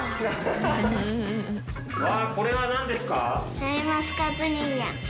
うわこれは何ですか？